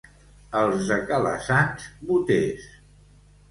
Els de Calassanç, boters.